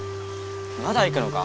まだ行くのか？